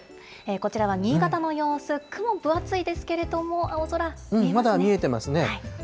こちらは新潟の様子、雲、分厚いまだ見えてますね。